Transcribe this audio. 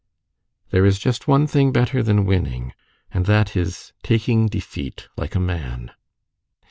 "There is just one thing better than winning, and that is, taking defeat like a man."